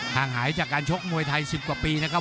ห่างหายจากการชกมวยไทย๑๐กว่าปีนะครับ